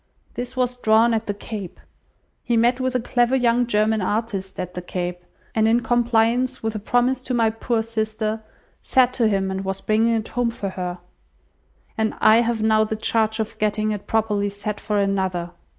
This was drawn at the Cape. He met with a clever young German artist at the Cape, and in compliance with a promise to my poor sister, sat to him, and was bringing it home for her; and I have now the charge of getting it properly set for another!